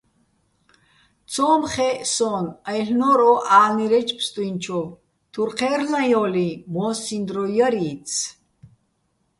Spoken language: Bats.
ცო́მ ხე́ჸ სო́ჼ-აჲლ'ნო́რ ო ა́ლნირეჩო̆ ფსტუჲნჩოვ, თურ ჴე́რლ'აჲო́ლიჼ, მო́სსიჼ დრო ჲარი́ცი̆.